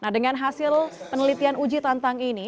nah dengan hasil penelitian uji tantang ini